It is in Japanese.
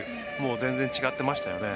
全然、違っていましたよね。